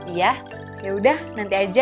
iya yaudah nanti aja